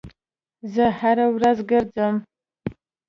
زه هره ورځ ګرځم